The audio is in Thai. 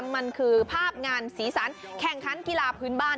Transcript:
มันคือภาพงานสีสันแข่งขันกีฬาพื้นบ้าน